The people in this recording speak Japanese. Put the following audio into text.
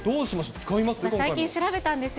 最近、調べたんですよ。